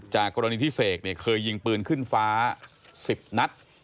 กรณีที่เสกเคยยิงปืนขึ้นฟ้า๑๐นัด